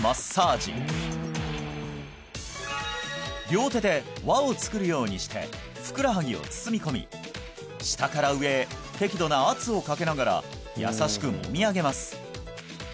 両手で輪を作るようにしてふくらはぎを包み込み下から上へ適度な圧をかけながら優しくもみ上げます